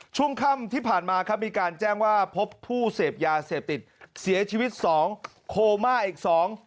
ช่วงค่ำที่ผ่านมาครับมีการแจ้งว่าพบผู้เสพยาเสพติดเสียชีวิตสองโคม่าอีกสอง